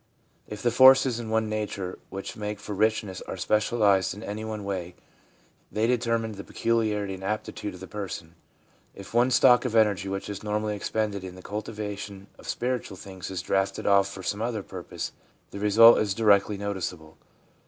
If the forces in one's nature which make for richness are specialised in any one way, they determine the peculiarity and aptitude of the person. If one's stock of energy which is normally expended in the cultivation of spiritual things is drafted off for some other purpose, the result is directly noticeable.